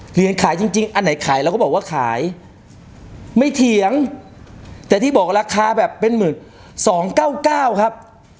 เหรียญขายจริงอันไหนขายเราก็บอกว่าขายไม่เถียงแต่ที่บอกราคาแบบเป็น๑๒๙๙ครับ